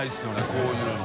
こういうの。